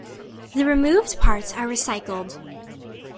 The removed parts are recycled.